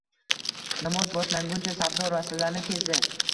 Namoz boshlanguncha savdo rastalarini kezdi